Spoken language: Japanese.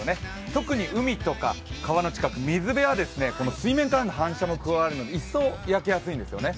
特に海とか、川の近く水辺は水面からの反射も加わるので一層、焼けやすいんですよね。